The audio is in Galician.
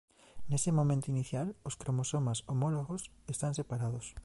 Nese momento inicial os cromosomas homólogos están separados.